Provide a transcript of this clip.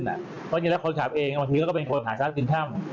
เพราะจริงและคนขาบเองจะเป็นคนผ่านร้านกินช่ำ